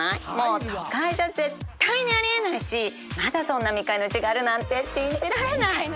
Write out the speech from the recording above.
もう都会じゃ絶対にあり得ないしまだそんな未開の地があるなんて信じられない。